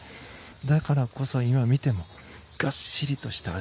だからこそ、今見てもがっしりとした足